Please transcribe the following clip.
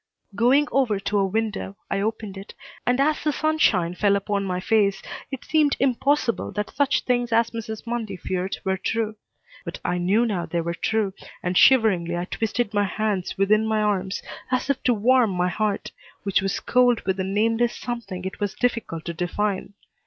Going over to a window, I opened it, and as the sunshine fell upon my face it seemed impossible that such things as Mrs. Mundy feared were true. But I knew now they were true, and shiveringly I twisted my hands within my arms as if to warm my heart, which was cold with a nameless something it was difficult to define.